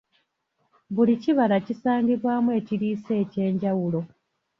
Buli kibala kisangibwamu ekiriisa eky’enjawulo.